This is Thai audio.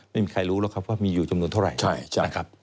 ไม่มีใครรู้หรอกครับว่ามีอยู่จำนวนเท่าไหร่นะครับ